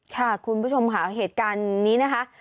ค่ะคุณผู้ชมค่ะเหตุการณ์นี้นะคะ